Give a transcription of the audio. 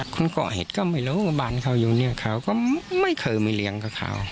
คนก่อเหตุก็ไม่รู้ว่าบ้านเขาอยู่เนี่ยเขาก็ไม่เคยไม่เลี้ยงกับเขา